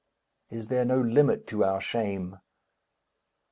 Is there no limit to our shame?